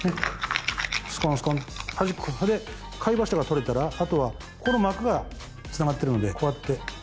スコンスコンそれで貝柱が取れたらあとはここの膜がつながってるのでこうやって。